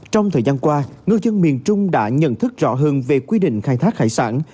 trong thời gian qua ngư dân miền trung đã nhận thức rõ hơn về quy định khai thác hải sản